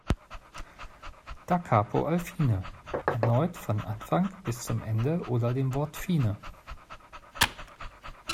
Da Capo al fine: Erneut von Anfang bis zum Ende oder dem Wort "fine".